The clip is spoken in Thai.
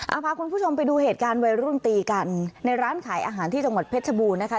เอาพาคุณผู้ชมไปดูเหตุการณ์วัยรุ่นตีกันในร้านขายอาหารที่จังหวัดเพชรบูรณ์นะคะ